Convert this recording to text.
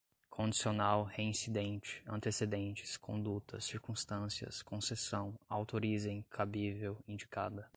condicional, reincidente, antecedentes, conduta, circunstâncias, concessão, autorizem, cabível, indicada